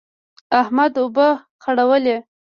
احمد اوبه خړولې.